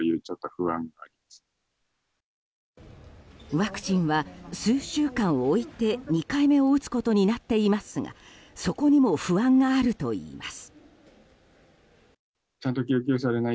ワクチンは数週間置いて２回目を打つことになっていますがそこにも不安があるといいます。